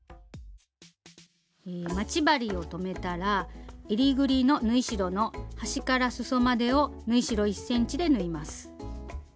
待ち針を留めたらえりぐりの縫い代の端からすそまでを縫い代１ｃｍで縫います。